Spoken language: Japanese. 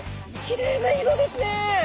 きれいな色ですね。